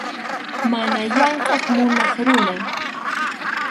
Mana llamkʼay munaq runa.